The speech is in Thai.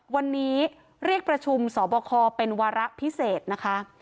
วันนี้เรียกประชุมสอบคอเป็นวาระพิเศษนะคะ